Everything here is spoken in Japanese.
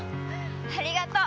ありがとう。